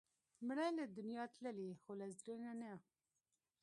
مړه له دنیا تللې، خو له زړه نه نه